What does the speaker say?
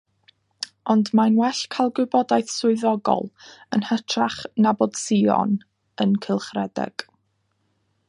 Ond mae'n well cael gwybodaeth swyddogol yn hytrach na bod sïon yn cylchredeg.